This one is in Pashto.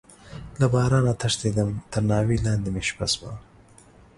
له بارانه تښتيدم، تر ناوې لاندې مې شپه شوه.